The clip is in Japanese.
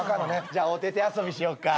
じゃあおてて遊びしよっか。